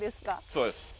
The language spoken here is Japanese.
そうです。